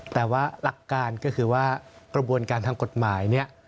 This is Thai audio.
แต่ว่าหลักการก็คือว่ากระบวนการทางกฎหมายเนี่ย